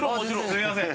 すいません。